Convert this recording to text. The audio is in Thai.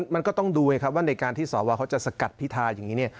มันก็ต้องดูไงครับว่าในการที่สวเขาจะสกัดพิธาอย่างนี้เนี่ย